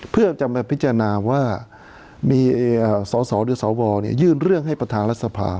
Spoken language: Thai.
เพื่อจะมาพิจารณาว่ามีสสหรือสวยื่นเรื่องให้ประธานรัฐสภา